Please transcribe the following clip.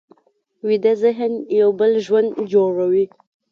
ویده ذهن یو بل ژوند جوړوي